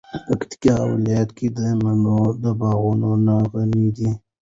پکتیکا ولایت د مڼو د باغونو نه غنی ده.